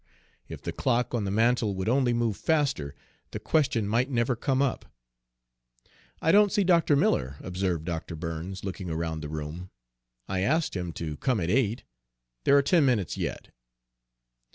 If the clock on the mantel would only move faster, the question might never come up. "I don't see Dr. Miller," observed Dr. Burns, looking around the room. "I asked him to come at eight. There are ten minutes yet."